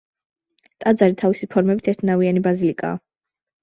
ტაძარი თავისი ფორმებით ერთნავიანი ბაზილიკაა.